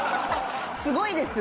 「すごいです」？